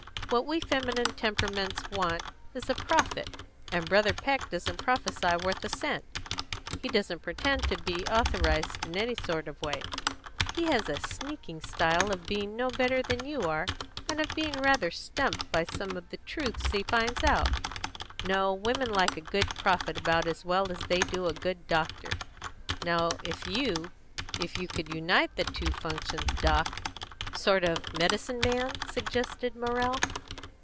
What we feminine temperaments want is a prophet, and Brother Peck doesn't prophesy worth a cent. He doesn't pretend to be authorised in any sort of way; he has a sneaking style of being no better than you are, and of being rather stumped by some of the truths he finds out. No, women like a good prophet about as well as they do a good doctor. Now if you, if you could unite the two functions, Doc " "Sort of medicine man?" suggested Morrell.